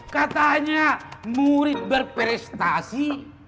katanya murid berprestasi